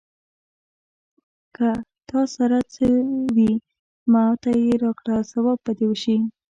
که تا سره څه وي، ماته يې راکړه ثواب به دې وشي.